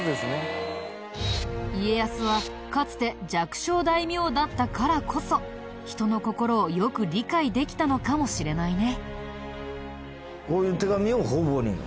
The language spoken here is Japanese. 家康はかつて弱小大名だったからこそ人の心をよく理解できたのかもしれないね。